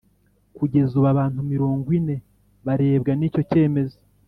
kugeza ubu, abantu mirogwine barebwa n'icyo cyemezo